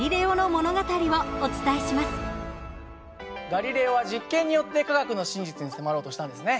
ガリレオは実験によって科学の真実に迫ろうとしたんですね。